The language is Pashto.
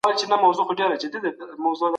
څوک د بشري حقونو څخه سرغړونه کوي؟